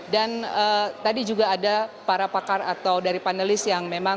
dan tadi juga ada para pakar atau dari panelis yang memang